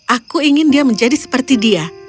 aku ingin dia menjadi seperti dia